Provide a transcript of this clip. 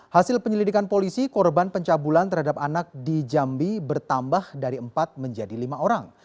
hasil penyelidikan polisi korban pencabulan terhadap anak di jambi bertambah dari empat menjadi lima orang